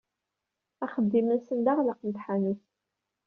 Axeddim-nsen d aɣlaq n tḥanut.